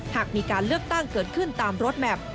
หากมีการเลือกตั้งเกิดขึ้นตามรถแมพ